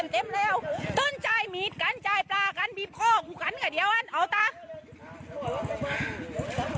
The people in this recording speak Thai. เติมแล้วกรรตื้นใจมีดกันใจปลากันบิบพ่อกูกันเฉยเดี๋ยวอะเอา